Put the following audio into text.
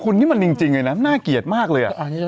คุณนี่มันจริงเลยนะน่าเกลียดมากเลย